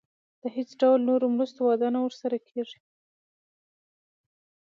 د هیڅ ډول نورو مرستو وعده نه ورسره کېږي.